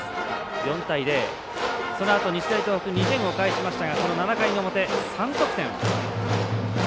４対０でそのあと、日大東北２点を返しましたがこの７回の表３得点。